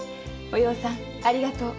お葉さんありがとう。